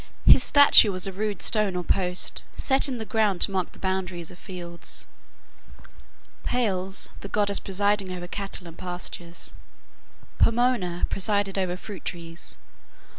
His statue was a rude stone or post, set in the ground to mark the boundaries of fields. Pales, the goddess presiding over cattle and pastures. Pomona presided over fruit trees.